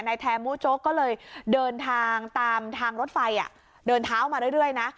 แทนมูโจ๊กก็เลยเดินทางตามทางรถไฟเดินเท้ามาเรื่อยนะ